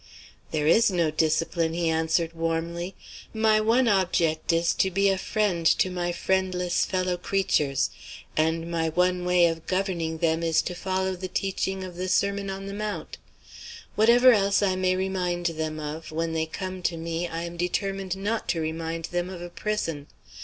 "There is no discipline," he answered warmly. "My one object is to be a friend to my friendless fellow creatures; and my one way of governing them is to follow the teaching of the Sermon on the Mount. Whatever else I may remind them of, when they come to me, I am determined not to remind them of a prison.